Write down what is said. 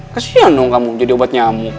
kasih ya dong kamu jadi obat nyamuk